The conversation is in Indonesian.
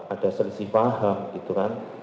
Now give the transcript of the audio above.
ada selisih paham gitu kan